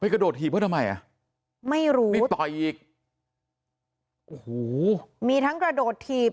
กระโดดถีบเขาทำไมอ่ะไม่รู้มีต่อยอีกโอ้โหมีทั้งกระโดดถีบ